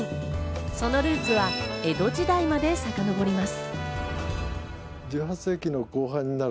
そのルーツは江戸時代までさかのぼります。